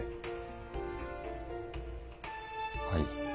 はい。